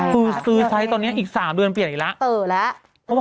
คือซื้อไทฟ์ตอนนี้อีก๓เดือนเปลี่ยนอีกแหละ